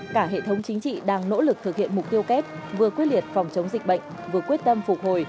cả hệ thống chính trị đang nỗ lực thực hiện mục tiêu kép vừa quyết liệt phòng chống dịch bệnh vừa quyết tâm phục hồi